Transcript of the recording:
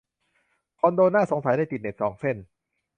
คอนโดหน้าสงสัยได้ติดเน็ตสองเส้น